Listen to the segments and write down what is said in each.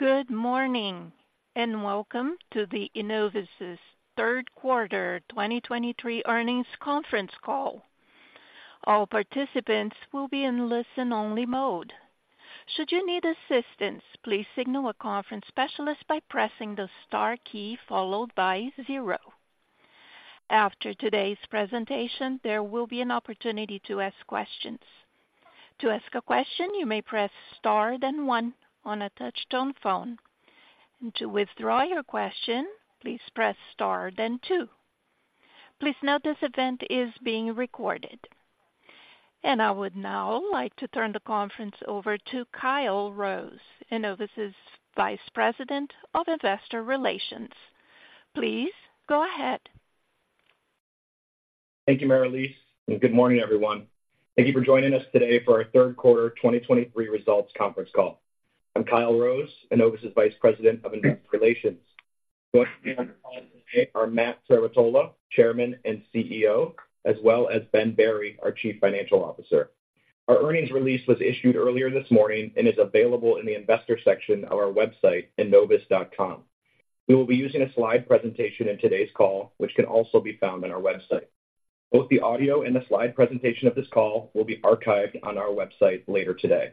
Good morning, and welcome to the Enovis's Third Quarter 2023 Earnings Conference Call. All participants will be in listen-only mode. Should you need assistance, please signal a conference specialist by pressing the star key followed by zero. After today's presentation, there will be an opportunity to ask questions. To ask a question, you may press star, then one on a touchtone phone. To withdraw your question, please press star, then two. Please note this event is being recorded. I would now like to turn the conference over to Kyle Rose, Enovis's Vice President of Investor Relations. Please go ahead. Thank you, Marlise, and good morning, everyone. Thank you for joining us today for our Third Quarter 2023 Results Conference Call. I'm Kyle Rose, Enovis's Vice President of Investor Relations. Joining me on the call today re Matt Trerotola, Chairman and CEO, as well as Ben Berry, our Chief Financial Officer. Our earnings release was issued earlier this morning and is available in the investor section of our website, enovis.com. We will be using a slide presentation in today's call, which can also be found on our website. Both the audio and the slide presentation of this call will be archived on our website later today.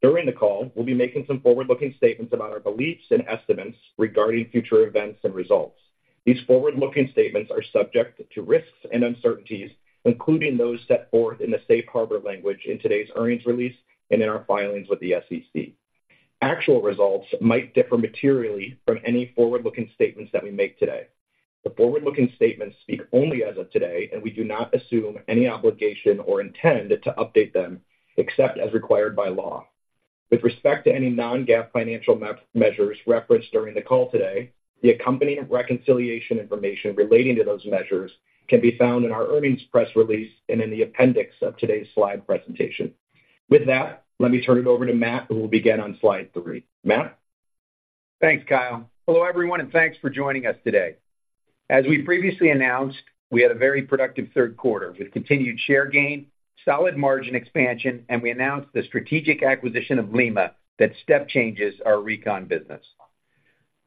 During the call, we'll be making some forward-looking statements about our beliefs and estimates regarding future events and results. These forward-looking statements are subject to risks and uncertainties, including those set forth in the safe harbor language in today's earnings release and in our filings with the SEC. Actual results might differ materially from any forward-looking statements that we make today. The forward-looking statements speak only as of today, and we do not assume any obligation or intend to update them, except as required by law. With respect to any non-GAAP financial measures referenced during the call today, the accompanying reconciliation information relating to those measures can be found in our earnings press release and in the appendix of today's slide presentation. With that, let me turn it over to Matt, who will begin on slide three. Matt? Thanks, Kyle. Hello, everyone, and thanks for joining us today. As we previously announced, we had a very productive third quarter with continued share gain, solid margin expansion, and we announced the strategic acquisition of Lima that step changes our Recon business.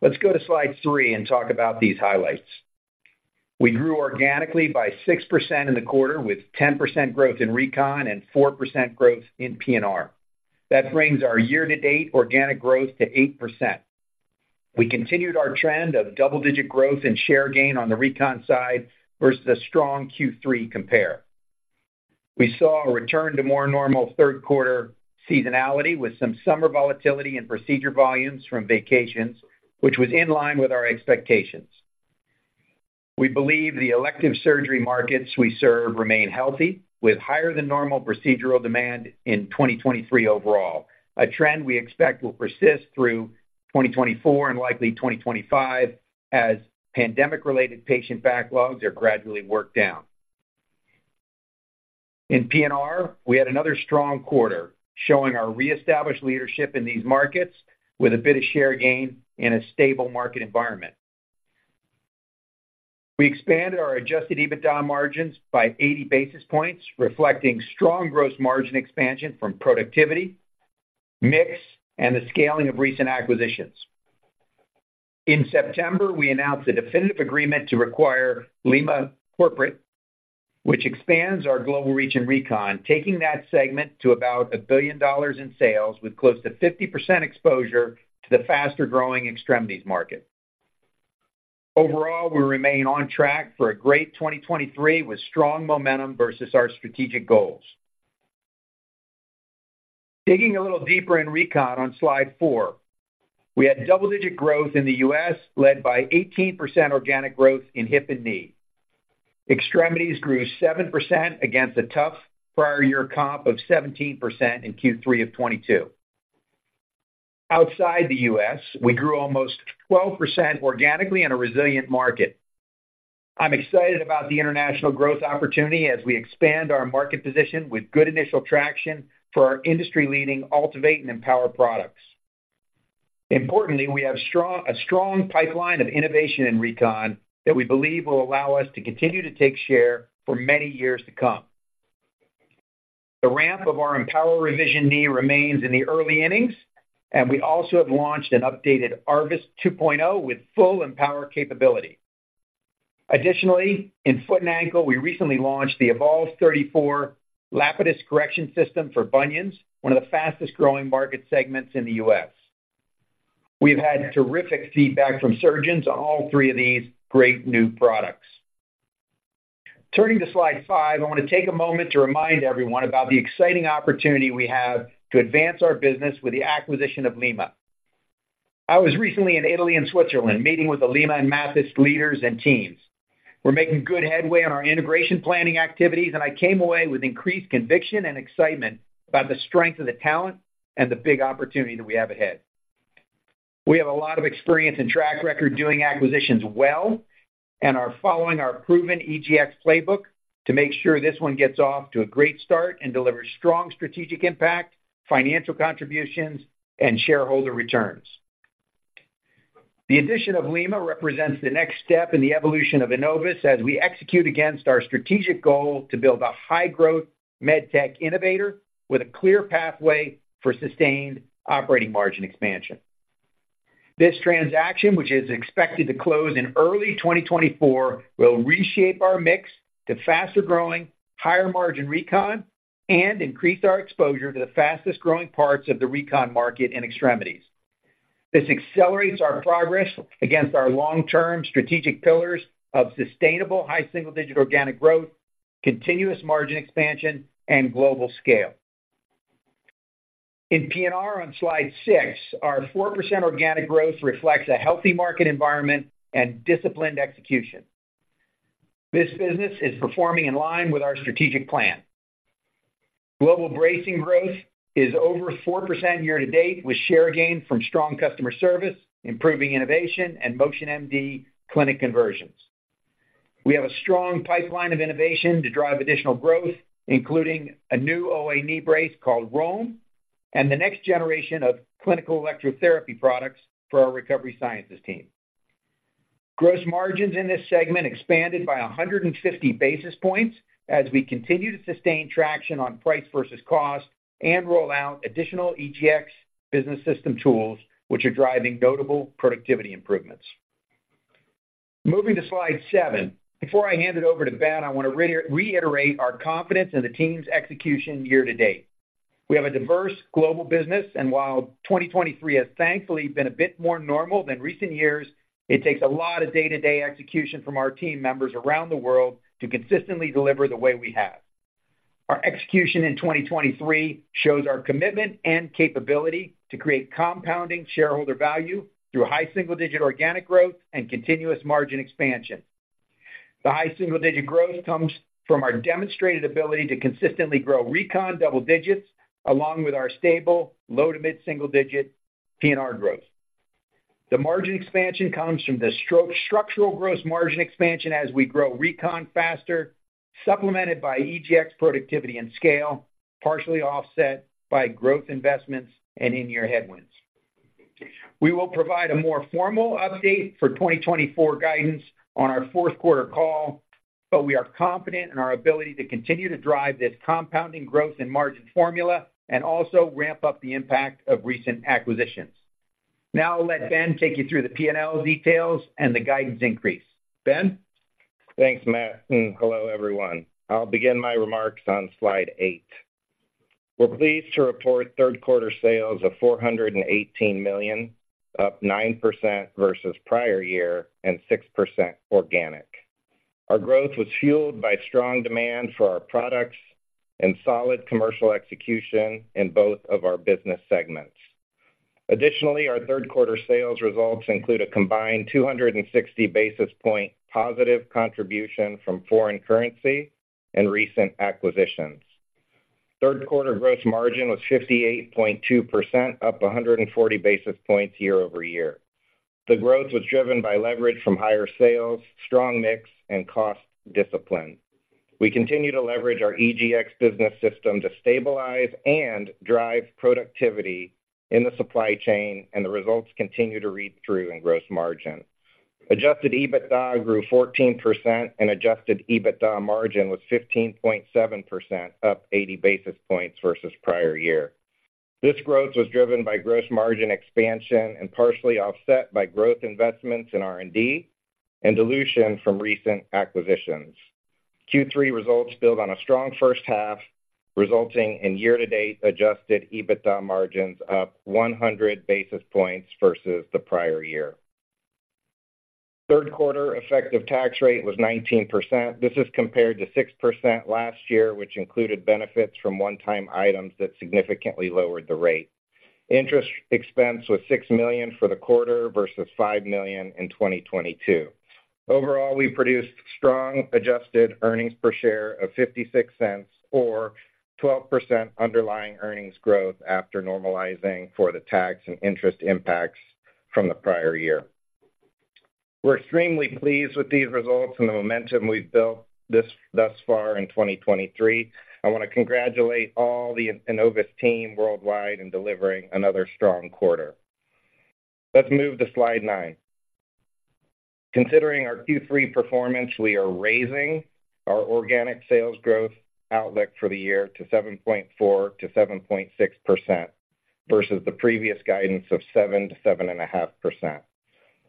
Let's go to slide three and talk about these highlights. We grew organically by 6% in the quarter, with 10% growth in Recon and 4% growth in P&R. That brings our year-to-date organic growth to 8%. We continued our trend of double-digit growth and share gain on the Recon side versus a strong Q3 compare. We saw a return to more normal third quarter seasonality with some summer volatility and procedure volumes from vacations, which was in line with our expectations. We believe the elective surgery markets we serve remain healthy, with higher than normal procedural demand in 2023 overall, a trend we expect will persist through 2024 and likely 2025, as pandemic-related patient backlogs are gradually worked down. In P&R, we had another strong quarter, showing our reestablished leadership in these markets with a bit of share gain and a stable market environment. We expanded our Adjusted EBITDA margins by 80 basis points, reflecting strong gross margin expansion from productivity, mix, and the scaling of recent acquisitions. In September, we announced a definitive agreement to acquire LimaCorporate, which expands our global reach in Recon, taking that segment to about $1 billion in sales, with close to 50% exposure to the faster-growing extremities market. Overall, we remain on track for a great 2023, with strong momentum versus our strategic goals. Digging a little deeper in Recon on slide four, we had double-digit growth in the U.S., led by 18% organic growth in hip and knee. Extremities grew 7% against a tough prior year comp of 17% in Q3 of 2022. Outside the U.S., we grew almost 12% organically in a resilient market. I'm excited about the international growth opportunity as we expand our market position with good initial traction for our industry-leading AltiVate and EMPOWR products. Importantly, we have a strong pipeline of innovation in Recon that we believe will allow us to continue to take share for many years to come. The ramp of our EMPOWR Revision knee remains in the early innings, and we also have launched an updated ARVIS 2.0 with full EMPOWR capability. Additionally, in foot and ankle, we recently launched the Evolve34 Lapidus correction system for bunions, one of the fastest-growing market segments in the U.S. We've had terrific feedback from surgeons on all three of these great new products. Turning to slide five, I want to take a moment to remind everyone about the exciting opportunity we have to advance our business with the acquisition of Lima. I was recently in Italy and Switzerland, meeting with the Lima and Mathys leaders and teams. We're making good headway on our integration planning activities, and I came away with increased conviction and excitement about the strength of the talent and the big opportunity that we have ahead. We have a lot of experience and track record doing acquisitions well and are following our proven EGX playbook to make sure this one gets off to a great start and delivers strong strategic impact, financial contributions, and shareholder returns. The addition of Lima represents the next step in the evolution of Enovis as we execute against our strategic goal to build a high-growth med tech innovator with a clear pathway for sustained operating margin expansion. This transaction, which is expected to close in early 2024, will reshape our mix to faster-growing, higher-margin Recon, and increase our exposure to the fastest-growing parts of the Recon market in extremities. This accelerates our progress against our long-term strategic pillars of sustainable high single-digit organic growth, continuous margin expansion, and global scale. In P&R on Slide six, our 4% organic growth reflects a healthy market environment and disciplined execution. This business is performing in line with our strategic plan. Global bracing growth is over 4% year to date, with share gain from strong customer service, improving innovation, and MotionMD clinic conversions. We have a strong pipeline of innovation to drive additional growth, including a new OA knee brace called Roam, and the next generation of clinical electrotherapy products for our Recovery Sciences team. Gross margins in this segment expanded by 150 basis points as we continue to sustain traction on price versus cost and roll out additional EGX business system tools, which are driving notable productivity improvements. Moving to Slide seven, before I hand it over to Ben, I want to reiterate our confidence in the team's execution year to date. We have a diverse global business, and while 2023 has thankfully been a bit more normal than recent years, it takes a lot of day-to-day execution from our team members around the world to consistently deliver the way we have. Our execution in 2023 shows our commitment and capability to create compounding shareholder value through high single-digit organic growth and continuous margin expansion. The high single-digit growth comes from our demonstrated ability to consistently grow Recon double digits, along with our stable, low to mid-single-digit P&R growth. The margin expansion comes from the structural gross margin expansion as we grow Recon faster, supplemented by EGX productivity and scale, partially offset by growth investments and in-year headwinds. We will provide a more formal update for 2024 guidance on our fourth quarter call, but we are confident in our ability to continue to drive this compounding growth and margin formula, and also ramp up the impact of recent acquisitions. Now I'll let Ben take you through the P&L details and the guidance increase. Ben? Thanks, Matt, and hello, everyone. I'll begin my remarks on Slide eight. We're pleased to report third quarter sales of $418 million, up 9% versus prior year and 6% organic. Our growth was fueled by strong demand for our products and solid commercial execution in both of our business segments. Additionally, our third quarter sales results include a combined 260 basis point positive contribution from foreign currency and recent acquisitions. Third quarter gross margin was 58.2%, up 140 basis points year-over-year. The growth was driven by leverage from higher sales, strong mix, and cost discipline. We continue to leverage our EGX business system to stabilize and drive productivity in the supply chain, and the results continue to read through in gross margin. Adjusted EBITDA grew 14%, and adjusted EBITDA margin was 15.7%, up 80 basis points versus prior year. This growth was driven by gross margin expansion and partially offset by growth investments in R&D and dilution from recent acquisitions. Q3 results build on a strong first half, resulting in year-to-date adjusted EBITDA margins up 100 basis points versus the prior year. Third quarter effective tax rate was 19%. This is compared to 6% last year, which included benefits from one-time items that significantly lowered the rate. Interest expense was $6 million for the quarter versus $5 million in 2022. Overall, we produced strong adjusted earnings per share of $0.56, or 12% underlying earnings growth after normalizing for the tax and interest impacts from the prior year. We're extremely pleased with these results and the momentum we've built thus far in 2023. I want to congratulate all the Enovis team worldwide in delivering another strong quarter. Let's move to Slide nine. Considering our Q3 performance, we are raising our organic sales growth outlook for the year to 7.4%-7.6%, versus the previous guidance of 7%-7.5%.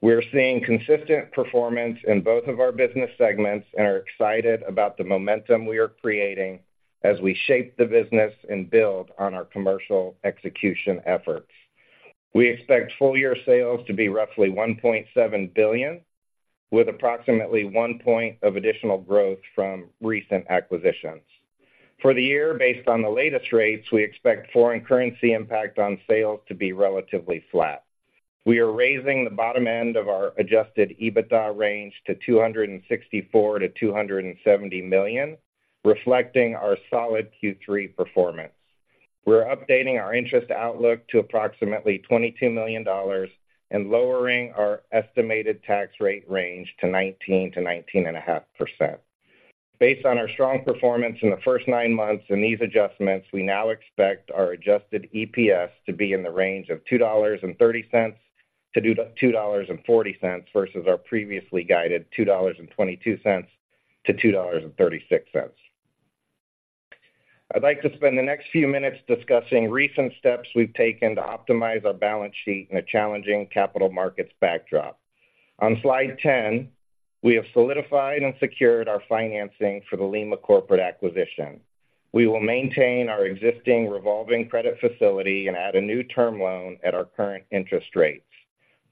We are seeing consistent performance in both of our business segments and are excited about the momentum we are creating as we shape the business and build on our commercial execution efforts. We expect full-year sales to be roughly $1.7 billion, with approximately 1 point of additional growth from recent acquisitions. For the year, based on the latest rates, we expect foreign currency impact on sales to be relatively flat. We are raising the bottom end of our Adjusted EBITDA range to $264 million-$270 million, reflecting our solid Q3 performance. We're updating our interest outlook to approximately $22 million and lowering our estimated tax rate range to 19%-19.5%. ...Based on our strong performance in the first nine months and these adjustments, we now expect our adjusted EPS to be in the range of $2.30-$2.40, versus our previously guided $2.22-$2.36. I'd like to spend the next few minutes discussing recent steps we've taken to optimize our balance sheet in a challenging capital markets backdrop. On slide 10, we have solidified and secured our financing for the LimaCorporate acquisition. We will maintain our existing revolving credit facility and add a new term loan at our current interest rates.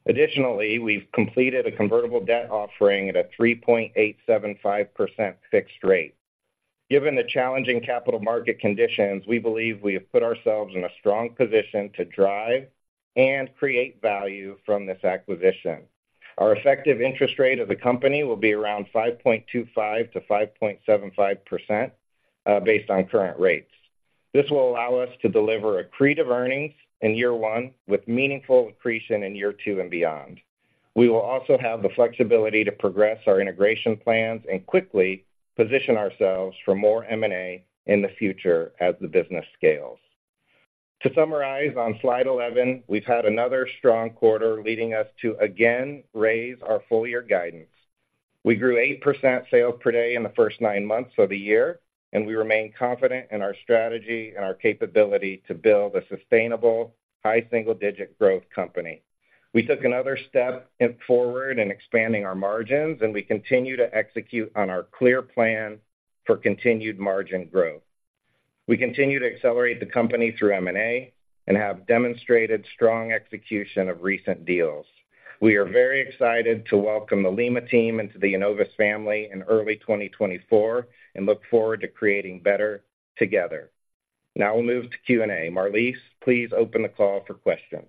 Additionally, we've completed a convertible debt offering at a 3.875% fixed rate. Given the challenging capital market conditions, we believe we have put ourselves in a strong position to drive and create value from this acquisition. Our effective interest rate of the company will be around 5.25%-5.75%, based on current rates. This will allow us to deliver accretive earnings in year one, with meaningful accretion in year two and beyond. We will also have the flexibility to progress our integration plans and quickly position ourselves for more M&A in the future as the business scales. To summarize, on slide 11, we've had another strong quarter, leading us to again raise our full year guidance. We grew 8% sales per day in the first nine months of the year, and we remain confident in our strategy and our capability to build a sustainable, high single-digit growth company. We took another step forward in expanding our margins, and we continue to execute on our clear plan for continued margin growth. We continue to accelerate the company through M&A and have demonstrated strong execution of recent deals. We are very excited to welcome the Lima team into the Enovis family in early 2024 and look forward to creating better together. Now we'll move to Q&A. Marlise, please open the call for questions.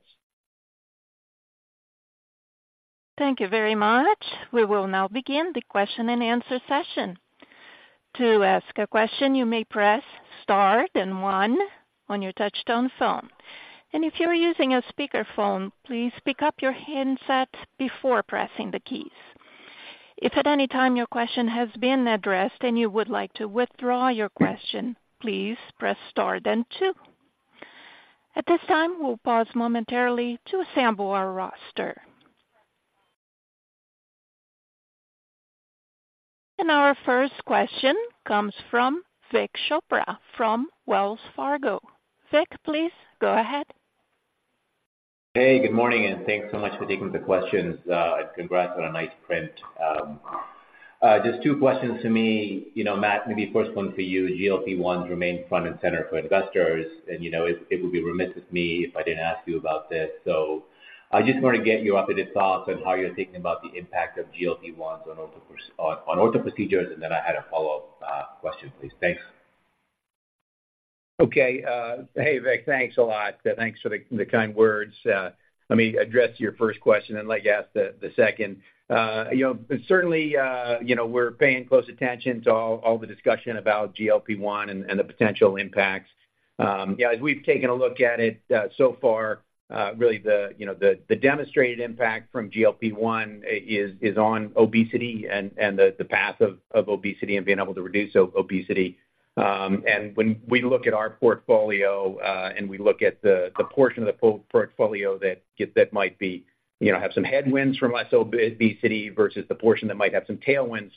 Thank you very much. We will now begin the question-and-answer session. To ask a question, you may press Star and One on your touchtone phone. And if you are using a speakerphone, please pick up your handset before pressing the keys. If at any time your question has been addressed and you would like to withdraw your question, please press Star, then Two. At this time, we'll pause momentarily to assemble our roster. And our first question comes from Vik Chopra from Wells Fargo. Vik, please go ahead. Hey, good morning, and thanks so much for taking the questions, and congrats on a nice print. Just two questions to me. You know, Matt, maybe first one for you. GLP-1s remain front and center for investors, and, you know, it, it would be remiss of me if I didn't ask you about this. So I just want to get your updated thoughts on how you're thinking about the impact of GLP-1s on ortho on ortho procedures, and then I had a follow-up question, please. Thanks. Okay. Hey, Vik. Thanks a lot. Thanks for the kind words. Let me address your first question and let you ask the second. You know, certainly, you know, we're paying close attention to all the discussion about GLP-1 and the potential impacts. Yeah, as we've taken a look at it, so far, really, you know, the demonstrated impact from GLP-1 is on obesity and the path of obesity and being able to reduce obesity. And when we look at our portfolio, and we look at the portion of the portfolio that might be, you know, have some headwinds from less obesity versus the portion that might have some tailwinds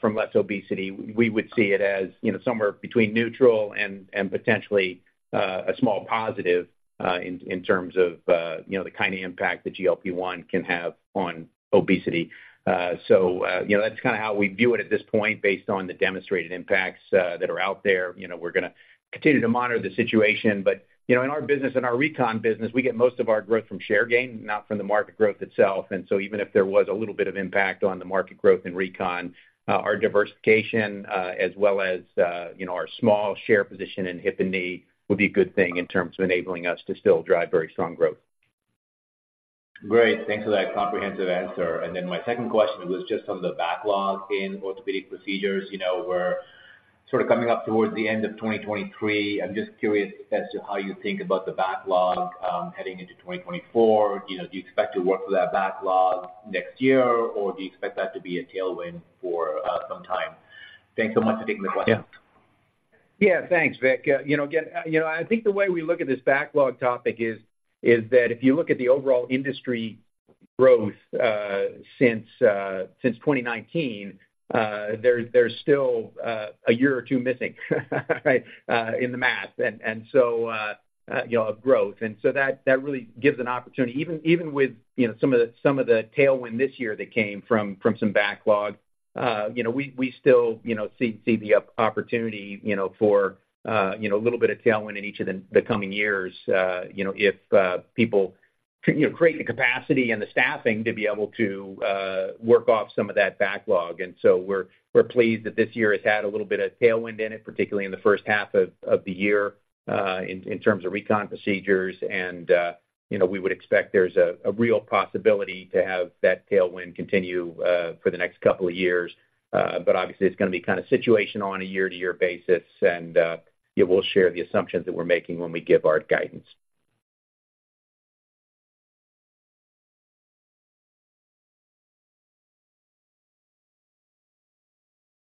from less obesity, we would see it as, you know, somewhere between neutral and potentially a small positive in terms of the kind of impact that GLP-1 can have on obesity. So, you know, that's kind of how we view it at this point, based on the demonstrated impacts that are out there. You know, we're gonna continue to monitor the situation, but, you know, in our business, in our recon business, we get most of our growth from share gain, not from the market growth itself. Even if there was a little bit of impact on the market growth in recon, our diversification, as well as, you know, our small share position in hip and knee, would be a good thing in terms of enabling us to still drive very strong growth. Great, thanks for that comprehensive answer. Then my second question was just on the backlog in orthopedic procedures. You know, we're sort of coming up towards the end of 2023. I'm just curious as to how you think about the backlog, heading into 2024. You know, do you expect to work through that backlog next year, or do you expect that to be a tailwind for, some time? Thanks so much for taking the questions. Yeah. Yeah, thanks, Vik. You know, again, I think the way we look at this backlog topic is that if you look at the overall industry growth since 2019, there's still a year or two missing, right, in the math, and so, you know, of growth. And so that really gives an opportunity. Even with, you know, some of the tailwind this year that came from some backlog, you know, we still see the opportunity, you know, for a little bit of tailwind in each of the coming years, you know, if people, you know, create the capacity and the staffing to be able to work off some of that backlog. So we're pleased that this year has had a little bit of tailwind in it, particularly in the first half of the year, in terms of recon procedures. You know, we would expect there's a real possibility to have that tailwind continue for the next couple of years. But obviously, it's gonna be kind of situational on a year-to-year basis, and yeah, we'll share the assumptions that we're making when we give our guidance....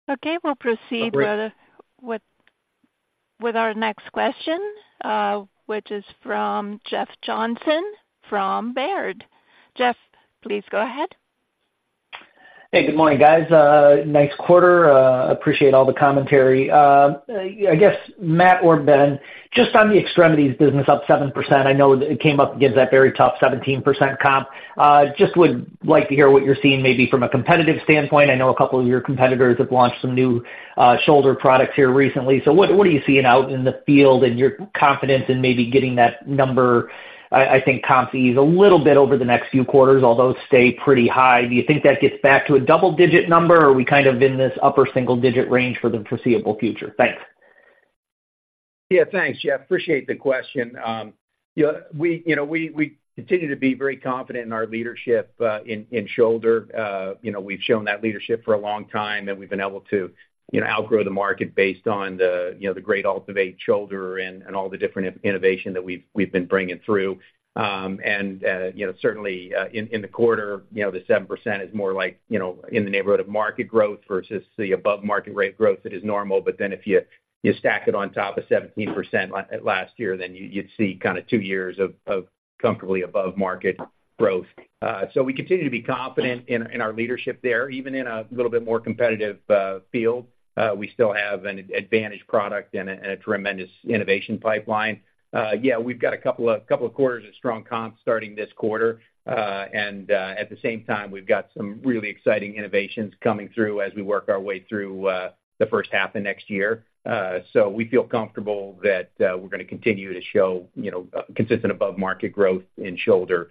Okay, we'll proceed with our next question, which is from Jeff Johnson from Baird. Jeff, please go ahead. Hey, good morning, guys. Nice quarter. Appreciate all the commentary. I guess, Matt or Ben, just on the extremities business, up 7%, I know it came up against that very top 17% comp. Just would like to hear what you're seeing maybe from a competitive standpoint. I know a couple of your competitors have launched some new shoulder products here recently. So what, what are you seeing out in the field and your confidence in maybe getting that number, I think comp ease a little bit over the next few quarters, although stay pretty high. Do you think that gets back to a double-digit number, or are we kind of in this upper single digit range for the foreseeable future? Thanks. Yeah, thanks, Jeff. Appreciate the question. You know, we continue to be very confident in our leadership in shoulder. You know, we've shown that leadership for a long time, and we've been able to you know, outgrow the market based on the you know, the great AltiVate shoulder and all the different innovation that we've been bringing through. You know, certainly in the quarter, you know, the 7% is more like you know, in the neighborhood of market growth versus the above market rate growth that is normal. But then if you stack it on top of 17% last year, then you'd see kind of two years of comfortably above market growth. So we continue to be confident in our leadership there, even in a little bit more competitive field. We still have an advantage product and a tremendous innovation pipeline. Yeah, we've got a couple of quarters of strong comps starting this quarter. And at the same time, we've got some really exciting innovations coming through as we work our way through the first half of next year. So we feel comfortable that we're going to continue to show, you know, consistent above market growth in shoulder,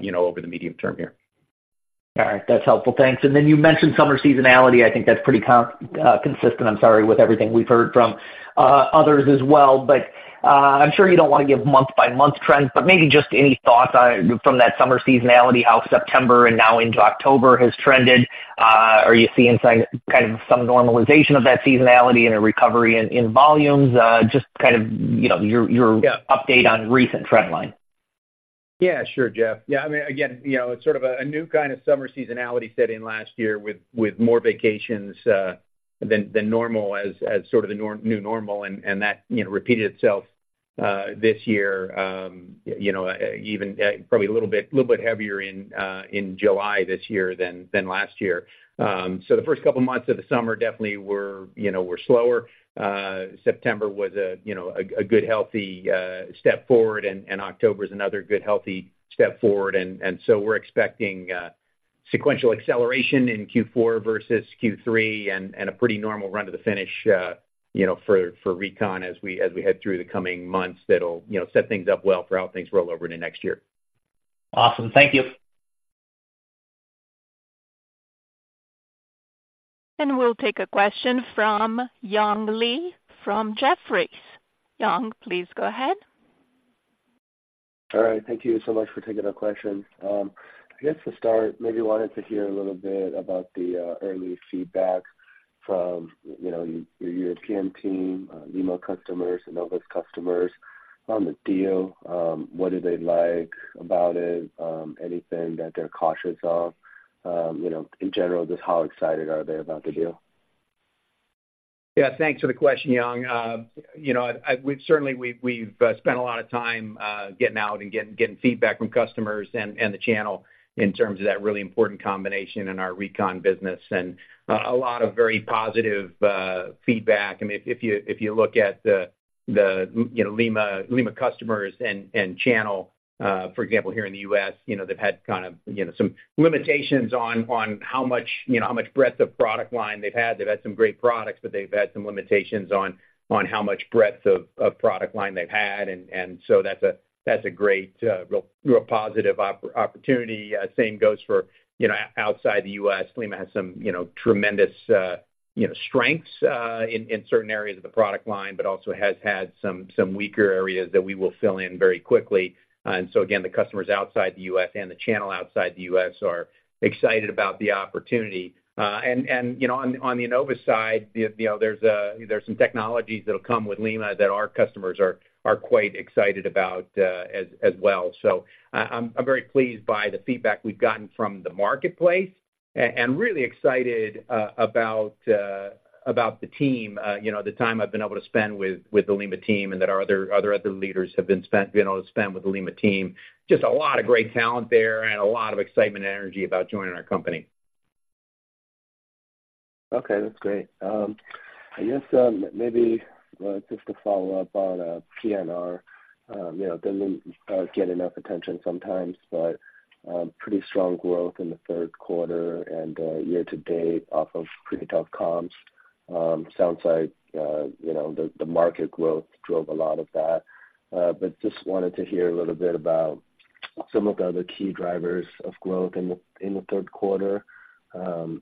you know, over the medium term here. All right. That's helpful. Thanks. And then you mentioned summer seasonality. I think that's pretty comp consistent, I'm sorry, with everything we've heard from others as well. But I'm sure you don't want to give month-by-month trends, but maybe just any thoughts from that summer seasonality, how September and now into October has trended. Are you seeing sign- kind of some normalization of that seasonality and a recovery in volumes? Just kind of, you know, your, your- Yeah... update on recent trend line. Yeah, sure, Jeff. Yeah, I mean, again, you know, it's sort of a new kind of summer seasonality set in last year with more vacations than normal, as sort of the new normal, and that, you know, repeated itself this year, you know, even probably a little bit heavier in July this year than last year. So the first couple of months of the summer definitely were, you know, slower. September was a good, healthy step forward, and October is another good, healthy step forward. So we're expecting sequential acceleration in Q4 versus Q3, and a pretty normal run to the finish, you know, for Recon as we head through the coming months, that'll, you know, set things up well for how things roll over into next year. Awesome. Thank you. We'll take a question from Young Li from Jefferies. Young, please go ahead. All right, thank you so much for taking our question. I guess to start, maybe wanted to hear a little bit about the early feedback from, you know, your PM team, Lima customers, Enovis customers on the deal. What do they like about it? Anything that they're cautious of? You know, in general, just how excited are they about the deal? Yeah, thanks for the question, Young. You know, we've certainly we've spent a lot of time getting out and getting feedback from customers and the channel in terms of that really important combination in our recon business, and a lot of very positive feedback. I mean, if you look at the Lima customers and channel, for example, here in the U.S., you know, they've had kind of some limitations on how much breadth of product line they've had. They've had some great products, but they've had some limitations on how much breadth of product line they've had. And so that's a great real positive opportunity. Same goes for, you know, outside the U.S.. Lima has some, you know, tremendous, you know, strengths, in, in certain areas of the product line, but also has had some, some weaker areas that we will fill in very quickly. And so again, the customers outside the U.S. and the channel outside the U.S. are excited about the opportunity. And, and, you know, on, on the Enovis side, the, you know, there's, there's some technologies that'll come with Lima that our customers are, are quite excited about, as, as well. So I, I'm, I'm very pleased by the feedback we've gotten from the marketplace, and really excited, about, about the team, you know, the time I've been able to spend with, with the Lima team and that our other, other, other leaders have been able to spend with the Lima team. Just a lot of great talent there and a lot of excitement and energy about joining our company. Okay, that's great. I guess, maybe, just to follow up on P&R, you know, doesn't get enough attention sometimes, but pretty strong growth in the third quarter and year to date off of pretty tough comps. Sounds like, you know, the market growth drove a lot of that. But just wanted to hear a little bit about some of the other key drivers of growth in the third quarter.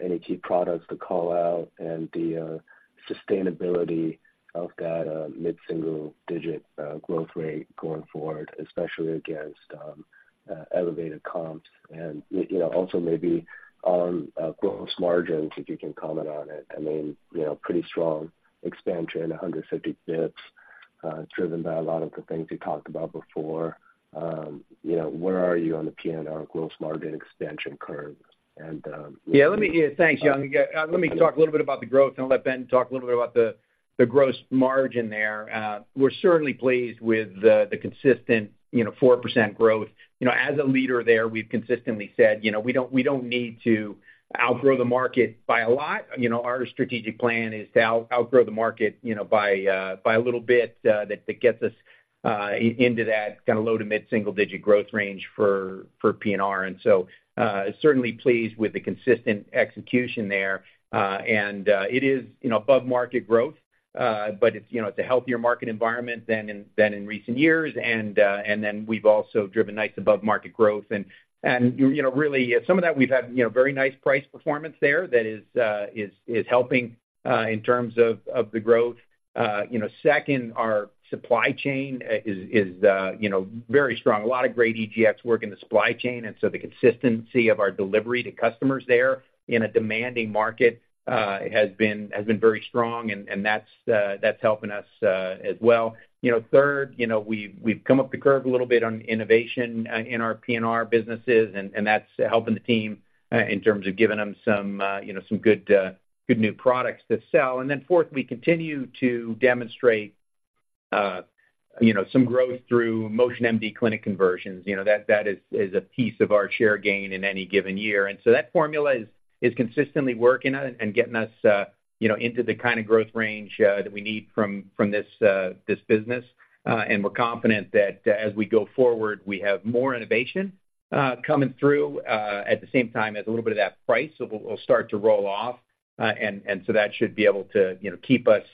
Any key products to call out and the sustainability of that mid-single-digit growth rate going forward, especially against elevated comps. And, you know, also maybe on gross margins, if you can comment on it. I mean, you know, pretty strong expansion, 150 basis points, driven by a lot of the things you talked about before. You know, where are you on the P&R gross margin extension curve? And, Yeah, let me, yeah, thanks, Young. Let me talk a little bit about the growth, and I'll let Ben talk a little bit about the, the gross margin there. We're certainly pleased with the, the consistent, you know, 4% growth. You know, as a leader there, we've consistently said, you know, we don't, we don't need to outgrow the market by a lot. You know, our strategic plan is to outgrow the market, you know, by, by a little bit, that, that gets us, into that kind of low to mid-single digit growth range for, for P&R. And so, certainly pleased with the consistent execution there. And, it is, you know, above market growth, but it's, you know, it's a healthier market environment than in recent years, and, and then we've also driven nice above market growth. You know, really, some of that we've had, you know, very nice price performance there that is helping in terms of the growth. You know, second, our supply chain is very strong. A lot of great EGX work in the supply chain, and so the consistency of our delivery to customers there in a demanding market has been very strong, and that's helping us as well. You know, third, you know, we've come up the curve a little bit on innovation in our PNR businesses, and that's helping the team in terms of giving them some, you know, some good new products to sell. And then fourth, we continue to demonstrate, you know, some growth through MotionMD clinic conversions. You know, that is a piece of our share gain in any given year. And so that formula is consistently working out and getting us, you know, into the kind of growth range that we need from this business. And we're confident that as we go forward, we have more innovation coming through at the same time as a little bit of that price, so will start to roll off. And so that should be able to, you know, keep us,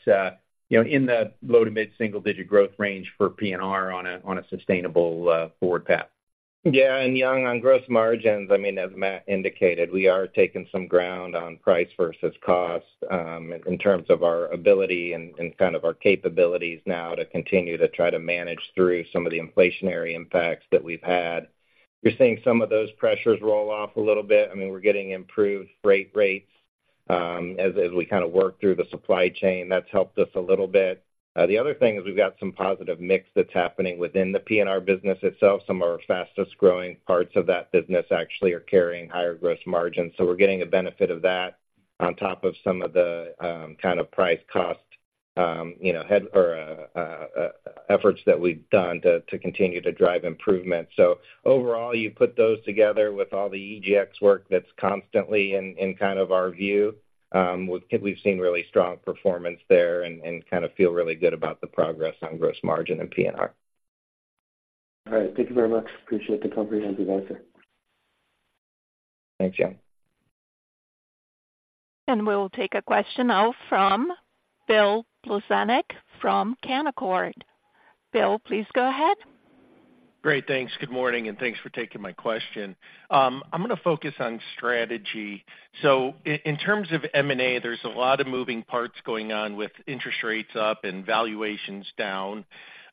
you know, in the low to mid-single digit growth range for P&R on a sustainable forward path. Yeah, Young, on gross margins, I mean, as Matt indicated, we are taking some ground on price versus cost, in terms of our ability and kind of our capabilities now to continue to try to manage through some of the inflationary impacts that we've had. We're seeing some of those pressures roll off a little bit. I mean, we're getting improved freight rates, as we kind of work through the supply chain. That's helped us a little bit. The other thing is we've got some positive mix that's happening within the P&R business itself. Some of our fastest-growing parts of that business actually are carrying higher gross margins. So we're getting the benefit of that on top of some of the kind of price cost, you know, efforts that we've done to continue to drive improvement. So overall, you put those together with all the EGX work that's constantly in kind of our view. We've seen really strong performance there and kind of feel really good about the progress on gross margin and P&R. All right. Thank you very much. Appreciate the company and the advisor. Thanks, Young. We'll take a question now from Bill Plovanic from Canaccord. Bill, please go ahead. Great. Thanks. Good morning, and thanks for taking my question. I'm gonna focus on strategy. So in terms of M&A, there's a lot of moving parts going on with interest rates up and valuations down.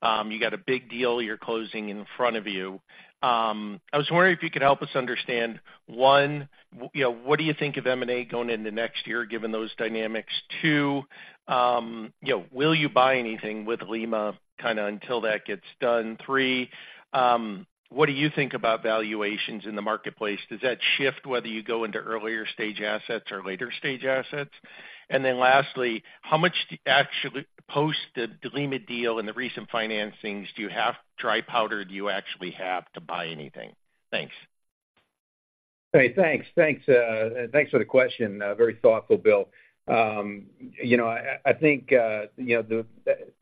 You got a big deal you're closing in front of you. I was wondering if you could help us understand, one, you know, what do you think of M&A going into next year, given those dynamics? Two, you know, will you buy anything with Lima, kind of until that gets done? Three, what do you think about valuations in the marketplace? Does that shift whether you go into earlier stage assets or later stage assets? And then lastly, how much post the Lima deal and the recent financings, do you have dry powder? Do you actually have to buy anything? Thanks. Hey, thanks. Thanks, thanks for the question, very thoughtful, Bill. You know, I, I think, you know, the,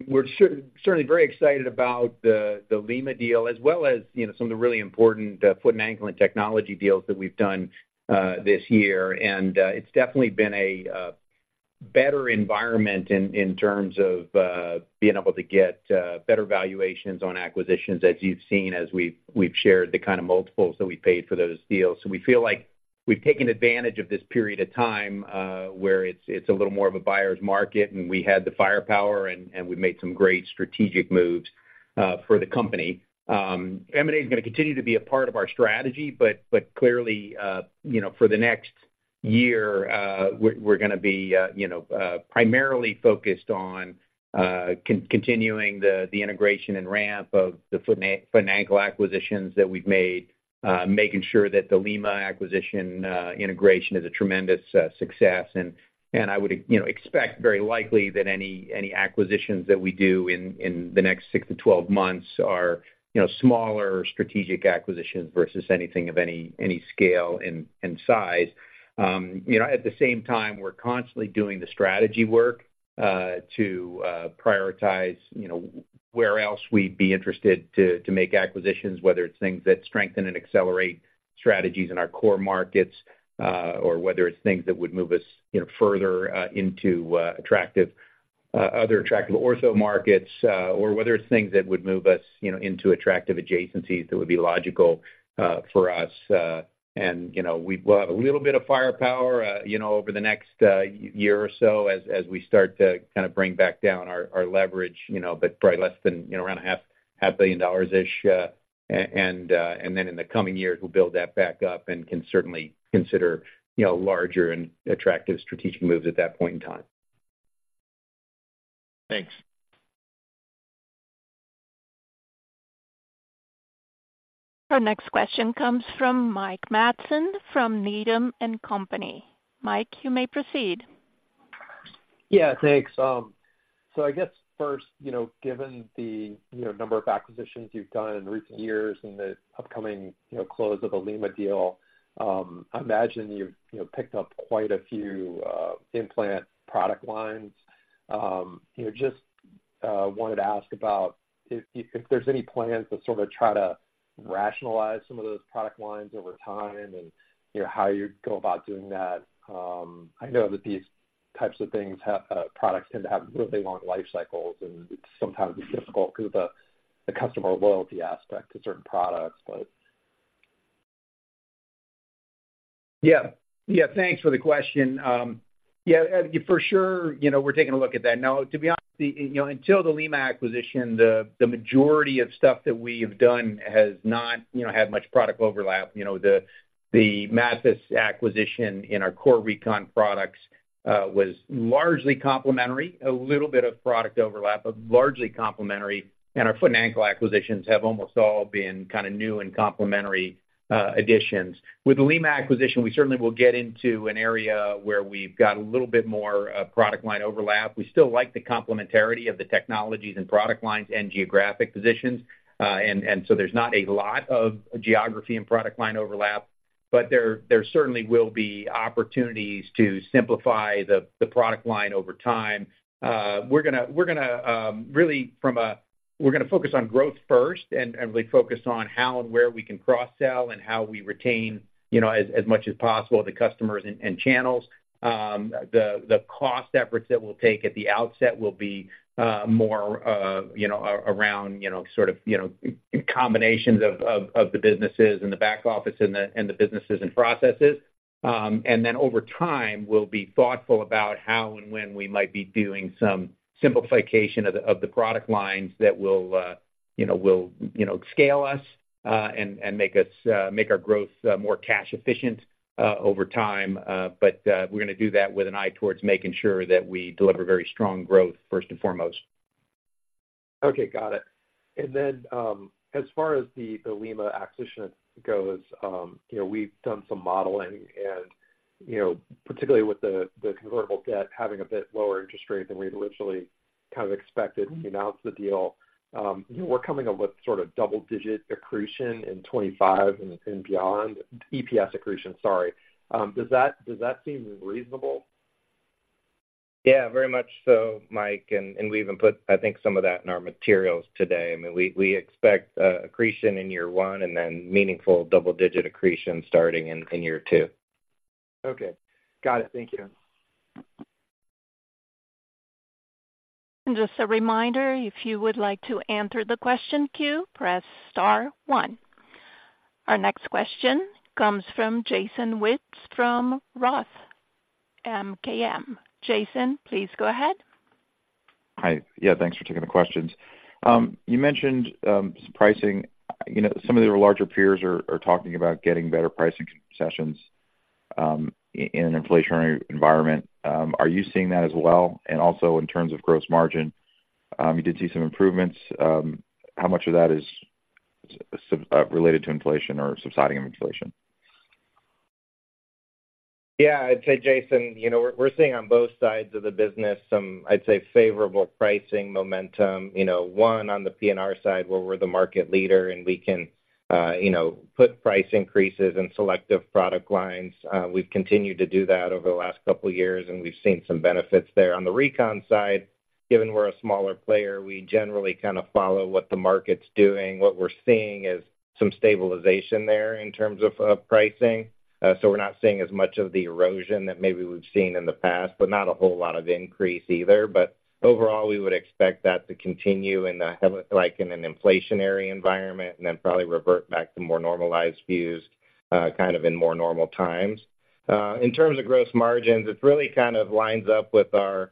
we're certainly very excited about the, the Lima deal, as well as, you know, some of the really important, foot and ankle and technology deals that we've done, this year. And, it's definitely been a, better environment in, in terms of, being able to get, better valuations on acquisitions, as you've seen, as we've, we've shared the kind of multiples that we paid for those deals. So we feel like we've taken advantage of this period of time, where it's, it's a little more of a buyer's market, and we had the firepower, and, and we've made some great strategic moves, for the company. M&A is gonna continue to be a part of our strategy, but clearly, you know, for the next year, we're gonna be, you know, primarily focused on continuing the integration and ramp of the foot and ankle acquisitions that we've made, making sure that the Lima acquisition integration is a tremendous success. And I would, you know, expect very likely that any acquisitions that we do in the next 6 months-12 months are, you know, smaller strategic acquisitions versus anything of any scale and size. You know, at the same time, we're constantly doing the strategy work to prioritize, you know, where else we'd be interested to make acquisitions, whether it's things that strengthen and accelerate strategies in our core markets, or whether it's things that would move us, you know, further into attractive other attractive ortho markets, or whether it's things that would move us, you know, into attractive adjacencies that would be logical for us. And, you know, we will have a little bit of firepower, you know, over the next year or so, as we start to kind of bring back down our leverage, you know, but probably less than, you know, around a half... $500 million-ish, and then in the coming years, we'll build that back up and can certainly consider, you know, larger and attractive strategic moves at that point in time. Thanks. Our next question comes from Mike Matson from Needham & Company. Mike, you may proceed. Yeah, thanks. So I guess first, you know, given the, you know, number of acquisitions you've done in recent years and the upcoming, you know, close of the Lima deal, I imagine you've, you know, picked up quite a few implant product lines. You know, just wanted to ask about if there's any plans to sort of try to rationalize some of those product lines over time and, you know, how you'd go about doing that. I know that these types of things have products tend to have really long life cycles, and it's sometimes difficult because of the, the customer loyalty aspect to certain products, but. Yeah. Yeah, thanks for the question. Yeah, for sure, you know, we're taking a look at that. Now, to be honest with you, you know, until the Lima acquisition, the majority of stuff that we have done has not, you know, had much product overlap. You know, the Mathys acquisition in our core Recon products was largely complementary. A little bit of product overlap, but largely complementary, and our foot and ankle acquisitions have almost all been kind of new and complementary additions. With the Lima acquisition, we certainly will get into an area where we've got a little bit more product line overlap. We still like the complementarity of the technologies and product lines and geographic positions, and so there's not a lot of geography and product line overlap, but there certainly will be opportunities to simplify the product line over time. We're gonna focus on growth first, and really focus on how and where we can cross-sell and how we retain, you know, as much as possible, the customers and channels. The cost efforts that we'll take at the outset will be more, you know, around, you know, sort of, you know, combinations of the businesses and the back office and the businesses and processes. And then over time, we'll be thoughtful about how and when we might be doing some simplification of the product lines that will, you know, scale us and make our growth more cash efficient over time. But we're gonna do that with an eye towards making sure that we deliver very strong growth, first and foremost. Okay, got it. And then, as far as the Lima acquisition goes, you know, we've done some modeling and, you know, particularly with the convertible debt having a bit lower interest rate than we'd originally kind of expected when you announced the deal, we're coming up with sort of double-digit accretion in 2025 and beyond. EPS accretion, sorry. Does that seem reasonable? Yeah, very much so, Mike, and we even put, I think, some of that in our materials today. I mean, we expect accretion in year one, and then meaningful double-digit accretion starting in year two. Okay. Got it. Thank you. Just a reminder, if you would like to answer the question queue, press star one. Our next question comes from Jason Wittes from Roth MKM. Jason, please go ahead. Hi. Yeah, thanks for taking the questions. You mentioned pricing. You know, some of your larger peers are talking about getting better pricing concessions in an inflationary environment. Are you seeing that as well? And also, in terms of gross margin, you did see some improvements. How much of that is related to inflation or subsiding of inflation? Yeah, I'd say, Jason, you know, we're, we're seeing on both sides of the business some, I'd say, favorable pricing momentum. You know, one, on the P&R side, where we're the market leader, and we can, you know, put price increases in selective product lines. We've continued to do that over the last couple of years, and we've seen some benefits there. On the recon side, given we're a smaller player, we generally kind of follow what the market's doing. What we're seeing is some stabilization there in terms of, pricing. So we're not seeing as much of the erosion that maybe we've seen in the past, but not a whole lot of increase either. But overall, we would expect that to continue in the, like, in an inflationary environment, and then probably revert back to more normalized views, kind of in more normal times. In terms of gross margins, it really kind of lines up with our,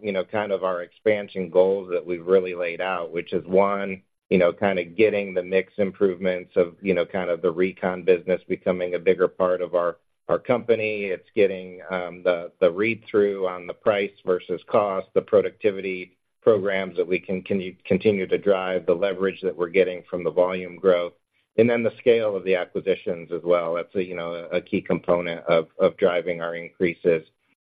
you know, kind of our expansion goals that we've really laid out, which is one, you know, kind of getting the mix improvements of, you know, kind of the recon business becoming a bigger part of our, our company. It's getting the read-through on the price versus cost, the productivity programs that we can continue to drive, the leverage that we're getting from the volume growth, and then the scale of the acquisitions as well. That's a, you know, a key component of, of driving our increases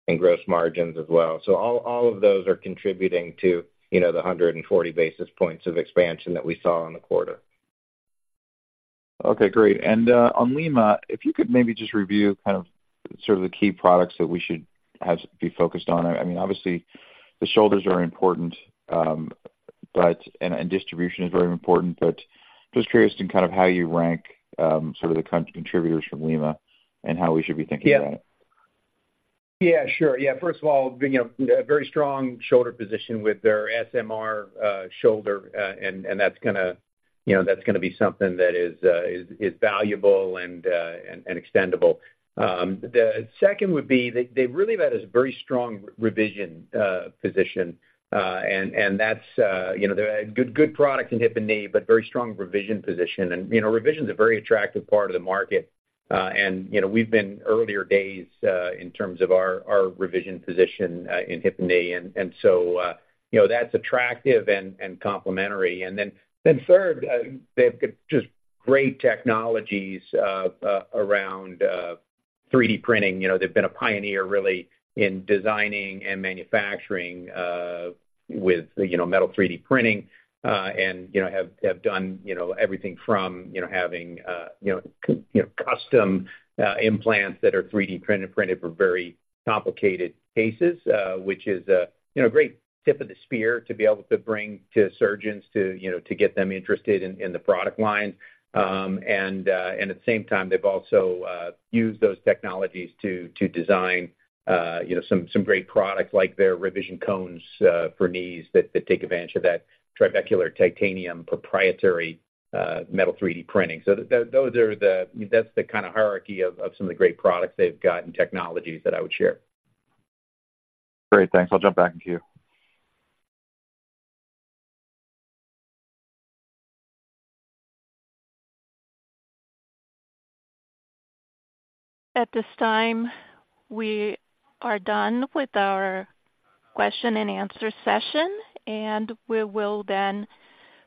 in gross margins as well. So all, all of those are contributing to, you know, the 140 basis points of expansion that we saw in the quarter. Okay, great. On Lima, if you could maybe just review kind of, sort of the key products that we should have to be focused on. I mean, obviously, the shoulders are important, but and distribution is very important, but just curious to kind of how you rank, sort of the contributors from Lima and how we should be thinking about it. Yeah, sure. Yeah, first of all, being a very strong shoulder position with their SMR shoulder, and that's gonna, you know, that's gonna be something that is valuable and extendable. The second would be, they really have had a very strong revision position, and that's, you know, they're a good product in hip and knee, but very strong revision position. And, you know, revision is a very attractive part of the market. And, you know, we've been in earlier days in terms of our revision position in hip and knee, and so, you know, that's attractive and complementary. And then third, they've got just great technologies around 3D printing. You know, they've been a pioneer, really, in designing and manufacturing with you know metal 3D printing and you know have done you know everything from you know having you know custom implants that are 3D printed for very complicated cases which is a you know great tip of the spear to be able to bring to surgeons to you know to get them interested in in the product line. And at the same time, they've also used those technologies to design you know some great products, like their revision cones for knees that take advantage of that Trabecular Titanium proprietary metal 3D printing. So those are the-- that's the kind of hierarchy of some of the great products they've got and technologies that I would share. Great, thanks. I'll jump back in queue. At this time, we are done with our question and answer session, and we will then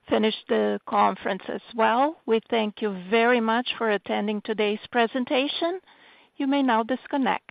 finish the conference as well. We thank you very much for attending today's presentation. You may now disconnect.